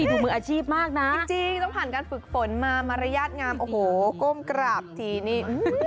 ดูมืออาชีพมากนะจริงต้องผ่านการฝึกฝนมามารยาทงามโอ้โหก้มกราบทีนี่